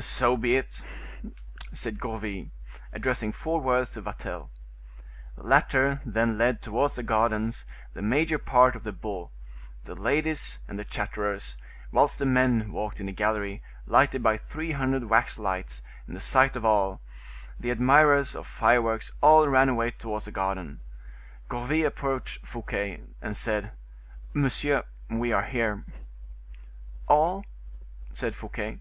"So be it," said Gourville, addressing four words to Vatel. The latter then led towards the gardens the major part of the beaux, the ladies and the chatterers, whilst the men walked in the gallery, lighted by three hundred wax lights, in the sight of all; the admirers of fireworks all ran away towards the garden. Gourville approached Fouquet, and said: "Monsieur, we are here." "All?" said Fouquet.